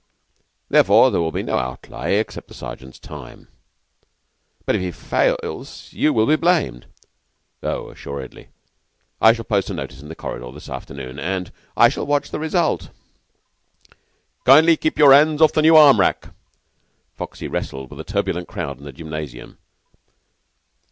"Therefore there will be no outlay except the Sergeant's time." "But if he fails you will be blamed." "Oh, assuredly. I shall post a notice in the corridor this afternoon, and " "I shall watch the result." "Kindly keep your 'ands off the new arm rack." Foxy wrestled with a turbulent crowd in the gymnasium.